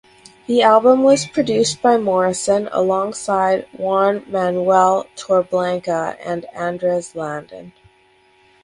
The album was produced by Morrison alongside Juan Manuel Torreblanca and Andres Landon.